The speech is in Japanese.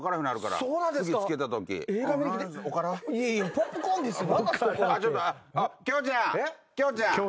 ポップコーンですよ。